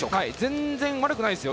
全然、悪くないですよ。